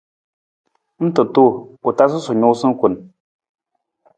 Ng ta tuu, u tasu sa nuusa kun.